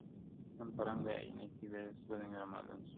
نن په رنګ د آیینه کي سر د میني را معلوم سو،